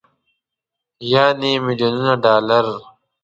يعنې ميليونونه ډالر.